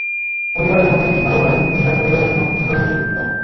পরিবারের মধ্যে যিনি ভালো করেন তিনি তার পরিবারের জন্য অনুসরণীয় ব্যক্তিত্ব।